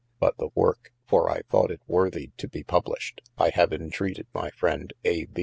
But the worke (for I thought it worthy to be pub lished) I have entreated my friend A.